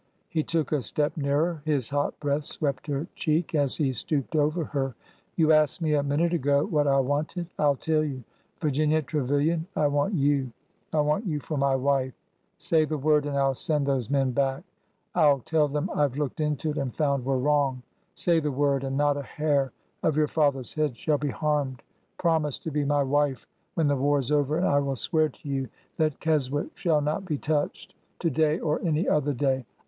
He took a step nearer. His hot breath swept her cheek as he stooped over her. You asked me a minute ago what I wanted. I 'll tell you. Virginia Trevilian, I want you! I want you for my wife 1 Say the word and I 'll send those men back. I 'll tell them I 've looked into it and found we 're wrong. Say the word and not a hair of your father's head shall be harmed. Promise to be my wife when the war 's over and I will swear to you that Keswick shall not be touched — to day or any other day.